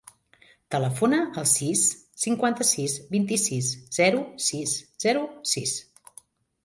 Telefona al sis, cinquanta-sis, vint-i-sis, zero, sis, zero, sis.